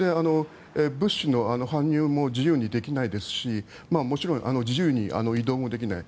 物資の搬入も自由にできないですしもちろん自由に移動もできない。